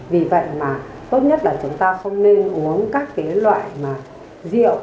vì vậy mà tốt nhất là chúng ta không nên uống các cái loại mà rượu